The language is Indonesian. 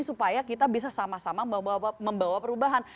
supaya kita bisa sama sama membawa perubahan